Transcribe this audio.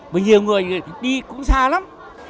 với nhiều người thì đi cũng xa lắm